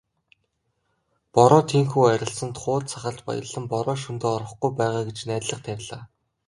Бороо тийнхүү арилсанд хууз сахалт баярлан "Бороо шөнөдөө орохгүй байгаа" гэж найдлага тавилаа.